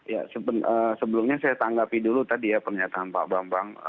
ya sebelumnya saya tanggapi dulu tadi ya pernyataan pak bambang